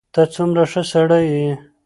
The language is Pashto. ته څومره ښه سړی یې.